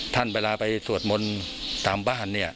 ท่านเวลาไปสวดมนต์ตามบ้าน